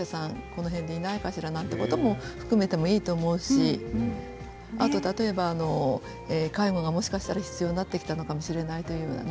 この辺でいないかしらということも含めても、いいと思うしあと例えば、介護がもしかしたら必要になってきたのかもしれないという。